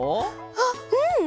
あっうん！